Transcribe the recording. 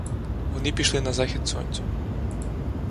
Вони пішли на захід сонця.